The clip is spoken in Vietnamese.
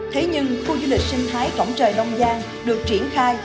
thế nhưng khu du lịch sinh thái cổng trời đông giang được triển khai